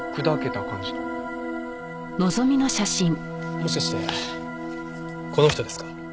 もしかしてこの人ですか？